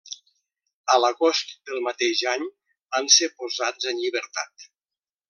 A l'agost del mateix any van ser posats en llibertat.